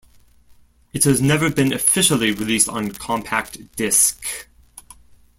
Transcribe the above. It has never been officially released on compact disc.